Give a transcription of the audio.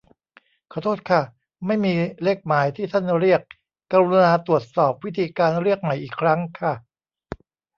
ขอโทษค่ะ ไม่มีเลขหมายที่ท่านเรียก กรุณาตรวจสอบวิธีการเรียกใหม่อีกครั้งค่ะ